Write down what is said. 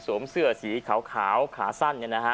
สวมเสื้อสีขาวขาสั้นเนี่ยนะฮะ